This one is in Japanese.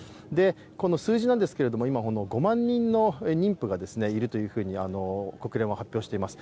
この数字なんですけれども、今、５万人の妊婦がいるというふうに国連は発表しています。